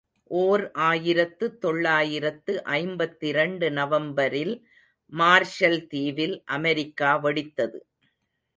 ஓர் ஆயிரத்து தொள்ளாயிரத்து ஐம்பத்திரண்டு நவம்பரில் மார்ஷல் தீவில் அமெரிக்கா வெடித்தது.